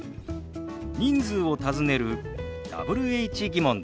人数を尋ねるＷｈ−疑問です。